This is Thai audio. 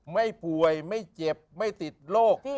ไม่ป่วยไม่เจ็บไม่ติดโรค